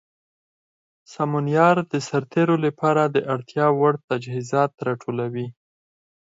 سمونیار د سرتیرو لپاره د اړتیا وړ تجهیزات راټولوي.